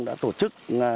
đã tổ chức